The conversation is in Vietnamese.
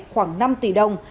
khoảng năm tỷ đồng